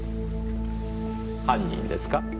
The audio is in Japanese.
犯人ですか？